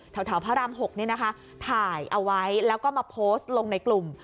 พระราม๖นี่นะคะถ่ายเอาไว้แล้วก็มาโพสต์ลงในกลุ่ม